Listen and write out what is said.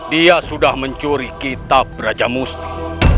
dia sudah mencuri kitab raja musti